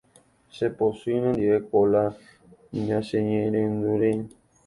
chepochy nendive Kola nacheñe'ẽrendúire